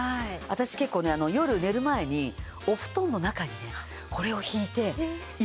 私結構ね夜寝る前にお布団の中にねこれを敷いて入れておくわけよ。